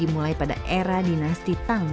dimulai pada era dinasti tange